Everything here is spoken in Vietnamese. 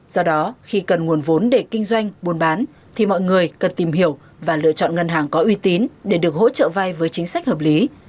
do đó khi cần nguồn vốn để kinh doanh buôn bán thì mọi người cần tìm hiểu và lựa chọn ngân hàng có uy tín để được hỗ trợ vai với chính sách hợp lý